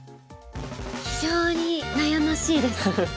非常に悩ましいです。